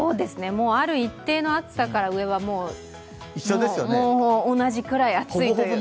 もうある一定の暑さから上は同じぐらい暑いという。